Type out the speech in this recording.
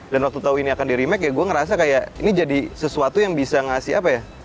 dan waktu tau ini akan di remake ya gue ngerasa kayak ini jadi sesuatu yang bisa ngasih apa ya